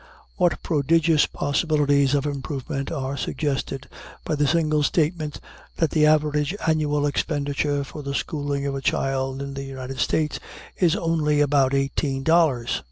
What prodigious possibilities of improvement are suggested by the single statement that the average annual expenditure for the schooling of a child in the United States is only about eighteen dollars!